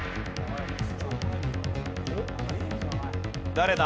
誰だ？